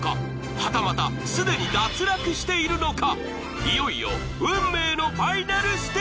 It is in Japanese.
はたまたすでに脱落しているのか？］